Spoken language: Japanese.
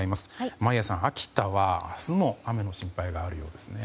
眞家さん、秋田は明日も雨の心配があるようですね。